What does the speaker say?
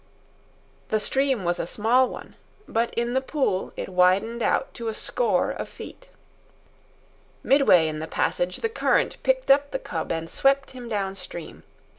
The stream was a small one, but in the pool it widened out to a score of feet. Midway in the passage, the current picked up the cub and swept him downstream.